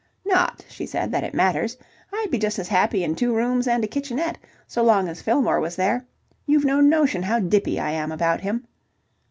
"Not," she said, "that it matters. I'd be just as happy in two rooms and a kitchenette, so long as Fillmore was there. You've no notion how dippy I am about him."